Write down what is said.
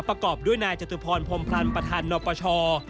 ประกอบด้วยนายจตุพรพรมพลันประธานนปช